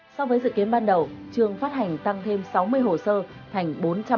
so với dự kiến ban đầu trường phát hành tăng thêm sáu mươi hồ sơ thành bốn trăm linh